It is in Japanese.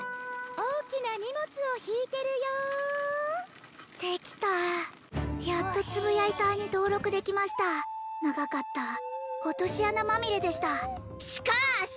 大きな荷物を引いてるよできたやっとつぶやいたーに登録できました長かった落とし穴まみれでしたしかーし！